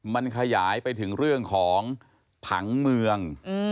มันขยายไปถึงเรื่องของผังเมือง